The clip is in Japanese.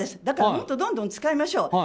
だから、もっとどんどん使いましょう。